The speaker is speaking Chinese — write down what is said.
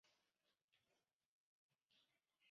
密枝猪毛菜为苋科猪毛菜属的植物。